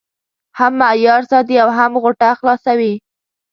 هم معیار ساتي او هم غوټه خلاصوي.